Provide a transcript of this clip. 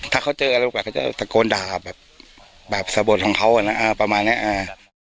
ถ้าเขาเจออะไรโอกาสเขาจะตะโกนด่าแบบแบบสะบดของเขาอ่ะนะอ่าประมาณเนี้ยอ่า